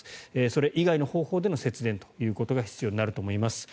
それ以外の方法での節電ということが必要になると思います。